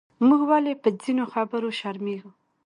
موږ ولې پۀ ځینو خبرو شرمېږو؟